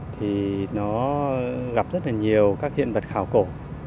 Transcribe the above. thì nó gặp rất là nhiều các hiện vật khảo cổ